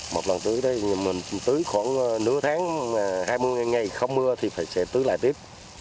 một lần tưới đấy mình tưới khoảng nửa tháng hai mươi ngày không mưa thì sẽ tưới lại tiếp